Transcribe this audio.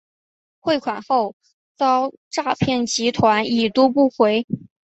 汇款后遭诈骗集团已读不回